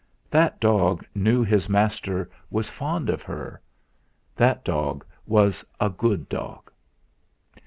That dog knew his master was fond of her; that dog was a good dog.